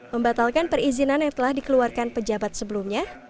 membatalkan perizinan yang telah dikeluarkan pejabat sebelumnya